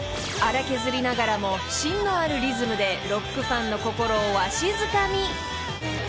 ［荒削りながらもしんのあるリズムでロックファンの心をわしづかみ］